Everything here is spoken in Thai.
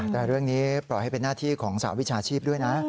แต่เรื่องนี้ปล่อยให้เป็นหน้าที่ของสาวิชาชีพด้วยนะ